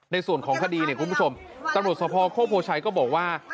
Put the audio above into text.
ในส่วนของคดีเนี่ยคุณผู้ชมตำรวจสภโคกโพชัยก็บอกว่า